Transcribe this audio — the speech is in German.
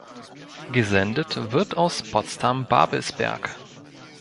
Gesendet wird aus Potsdam-Babelsberg.